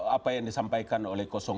apa yang disampaikan oleh dua